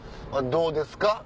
どうですか？